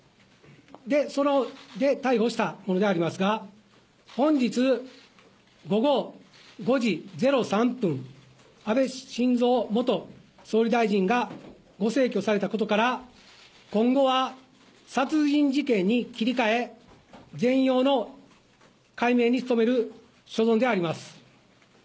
その後、逮捕したものでありますが、本日午後５時０３分、安倍晋三元総理大臣がご逝去されたことから、今後は殺人事件に切り替え、全容の解明に努める所存であります。